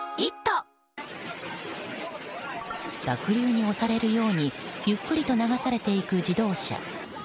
濁流に押されるようにゆっくりと流されていく自動車。